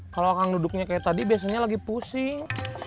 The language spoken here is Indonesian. kalau akan duduknya kayak tadi biasanya lagi pusing